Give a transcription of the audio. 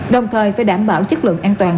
đồng thời phải đảm bảo chất lượng an toàn